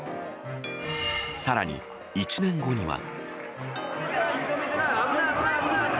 さらに１年後には。